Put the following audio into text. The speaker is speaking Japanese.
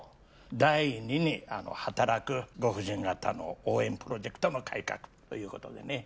第２に働くご婦人方の応援プロジェクトの改革という事でね。